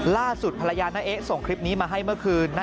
ล่าสุดภรรยาน้าเอ๊ะส่งคลิปนี้มาให้เมื่อคืน